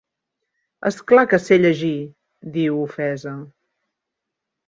Esclar que sé llegir —diu, ofesa—.